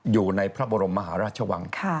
อยู่ในพระบรมมหาราชวัง